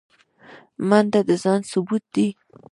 منډه د ځان ثبوت دی